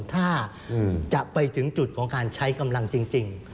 ถ้าจะไปถึงจุดของการใช้กำลังจริง